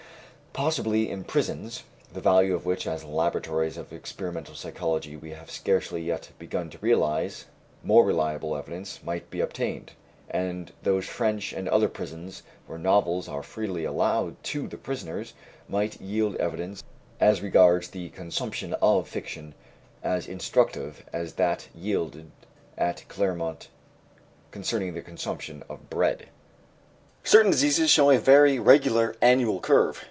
Possibly in prisons the value of which, as laboratories of experimental psychology we have scarcely yet begun to realize more reliable evidence might be obtained; and those French and other prisons where novels are freely allowed to the prisoners might yield evidence as regards the consumption of fiction as instructive as that yielded at Clermont concerning the consumption of bread. Certain diseases show a very regular annual curve.